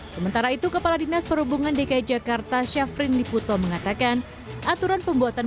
sementara itu kepala dinas perhubungan dki jakarta syafrin liputo mengatakan aturan pembuatan